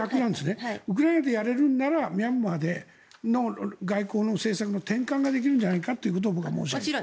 ウクライナでやれるならミャンマーの外交の政策の転換ができるんじゃないかと僕は申している。